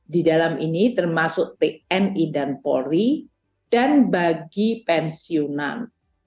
di dalam ini termasuk tni dan polri dan bagi pensiunan